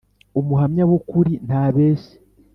umuhamya w’ukuri ntabeshya,